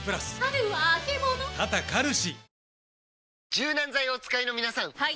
柔軟剤をお使いの皆さんはい！